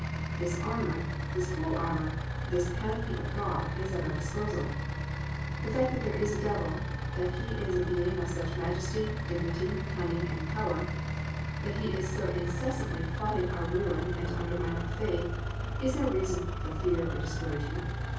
This armour, this whole armour, this "panoply of God," is at our disposal. The fact that there is a Devil, that he is a being of such majesty, dignity, cunning, and power, that he is so incessantly plotting our ruin and to undermine our faith, is no reason for fear or discouragement.